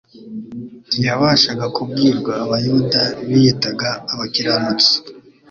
ntiyabashaga kubwirwa Abayuda biyitaga abakiranutsi